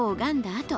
あと